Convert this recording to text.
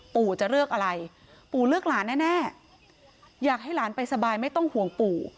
ปู่จะเลือกอะไรปู่เลือกหลานแน่อยากให้หลานไปสบายไม่ต้องห่วงปู่